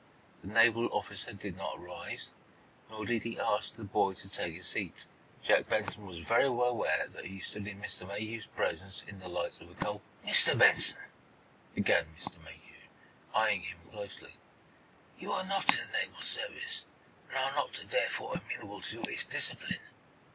The naval officer did not rise, nor did he ask the boy to take a seat. Jack Benson was very well aware that he stood in Mr. Mayhew's presence in the light of a culprit. "Mr. Benson," began Mr. Mayhew, eyeing him closely, "you are not in the naval service, and are not therefore amenable to its discipline.